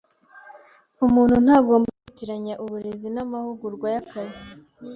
Umuntu ntagomba kwitiranya uburezi namahugurwa yakazi.